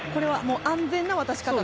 安全な渡し方と。